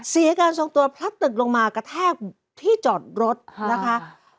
เสียการทรงตัวพลัดตึกลงมากระแทกที่จอดรถนะคะ